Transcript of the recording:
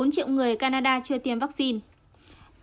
bốn triệu người canada chưa tiêm vaccine